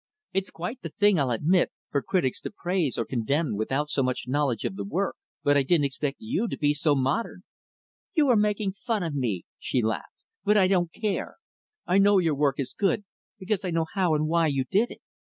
It's quite the thing, I'll admit, for critics to praise or condemn without much knowledge of the work; but I didn't expect you to be so modern." "You are making fun of me," she laughed. "But I don't care. I know your work is good, because I know how and why you did it.